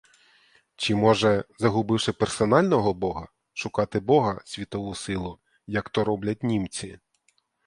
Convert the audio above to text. Чи може, загубивши персонального бога, — шукати бога — світову силу, як то роблять німці?